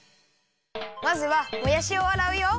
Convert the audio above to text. まずはもやしをあらうよ。